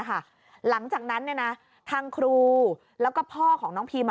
หลังจากนั้นทางครูแล้วก็พ่อของน้องพิม